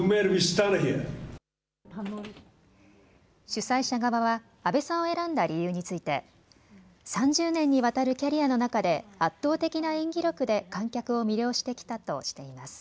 主催者側は阿部さんを選んだ理由について３０年にわたるキャリアの中で圧倒的な演技力で観客を魅了してきたとしています。